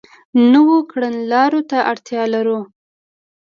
نویو کړنلارو ته اړتیا لرو.